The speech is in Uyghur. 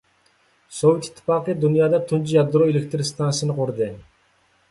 سوۋېت ئىتتىپاقى دۇنيادا تۇنجى يادرو ئېلېكتىر ئىستانسىسىنى قۇردى.